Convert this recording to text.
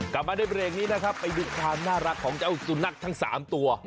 กลับมาในเบรกนี้นะครับไปดูความน่ารักของเจ้าสุนัขทั้ง๓ตัว